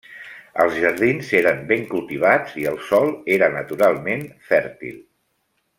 Els jardins eren ben cultivats, i el sòl era naturalment fèrtil.